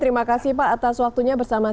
terima kasih pak atas waktunya bersama saya